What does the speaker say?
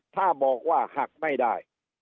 ถ้าบอกว่าหักไม่ได้